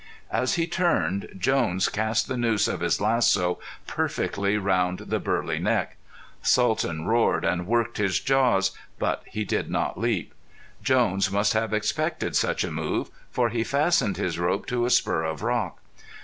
As he turned, Jones cast the noose of his lasso perfectly round the burly neck. Sultan roared and worked his jaws, but he did not leap. Jones must have expected such a move, for he fastened his rope to a spur of rock.